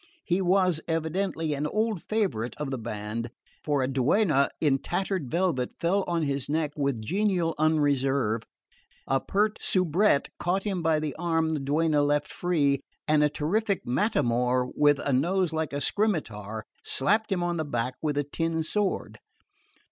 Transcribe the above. He was evidently an old favourite of the band, for a duenna in tattered velvet fell on his neck with genial unreserve, a pert soubrette caught him by the arm the duenna left free, and a terrific Matamor with a nose like a scimitar slapped him on the back with a tin sword.